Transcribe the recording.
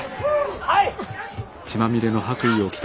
はい！